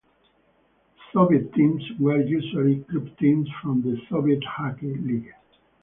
The Soviet teams were usually club teams from the Soviet hockey league.